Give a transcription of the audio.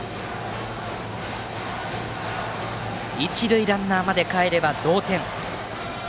一塁ランナーまでかえれば同点。